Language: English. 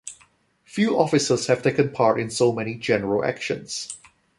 Few officers have taken part in so many general actions.